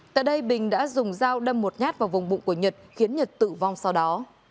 tại đây bình đã dùng dao đâm một nhát vào vùng bụng của nhật khiến nhật tử vong sau đó